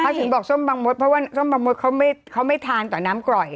เขาถึงบอกส้มบางมดเพราะว่าส้มบางมดเขาไม่ทานต่อน้ำกร่อย